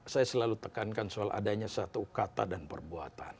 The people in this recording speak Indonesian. saya selalu tekankan soal adanya satu kata dan perbuatan